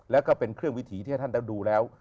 แล้วก็เป็นเครื่องวิถีที่ให้ท่านได้ดูแล้ว